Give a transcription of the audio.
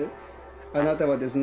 あなたはですね